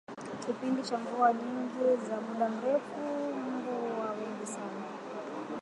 Kipindi cha mvua nyingi za muda mrefu mbu huwa wengi sana